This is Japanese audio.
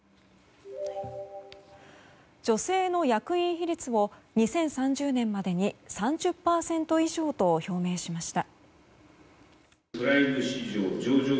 女性の役員比率を２０３０年までに３０％以上と表明しました。